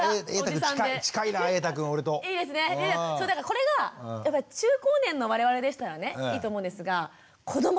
これがやっぱり中高年の我々でしたらねいいと思うんですが子どもですよ幼児。